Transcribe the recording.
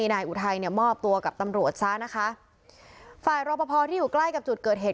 นายอุทัยเนี่ยมอบตัวกับตำรวจซะนะคะฝ่ายรอปภที่อยู่ใกล้กับจุดเกิดเหตุ